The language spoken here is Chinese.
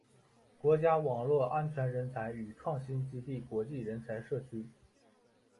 国家网络安全人才与创新基地国际人才社区